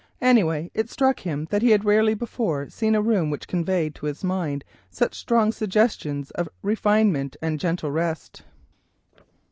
Anyhow, it struck him that he had rarely before seen a room which conveyed to his mind such strong suggestions of refinement and gentle rest.